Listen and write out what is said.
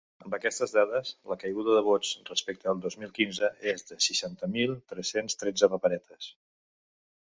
Amb aquestes dades, la caiguda de vots respecte del dos mil quinze és de seixanta mil tres-cents tretze paperetes.